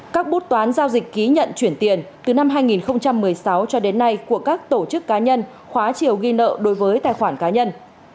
các bút toán giao dịch ký nhận chuyển tiền từ năm hai nghìn một mươi sáu cho đến nay của các tổ chức cá nhân khóa chiều ghi nợ đối với tài khoản cá nhân